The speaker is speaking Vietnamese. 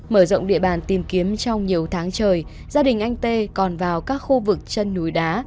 mở rộng địa bàn tìm kiếm trong nhiều tháng trời gia đình anh tê còn vào các khu vực chân núi đá